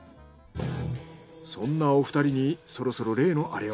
そんなお二人にそろそろ例のアレを。